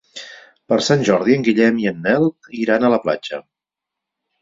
Per Sant Jordi en Guillem i en Nel iran a la platja.